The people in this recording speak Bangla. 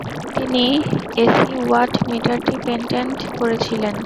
তিনি এসি ওয়াট-মিটারটি পেটেন্ট করেছিলেন।